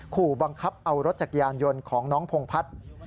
ขู่บังคับเอารถจักรยานยนต์ของน้องพงพัฒน์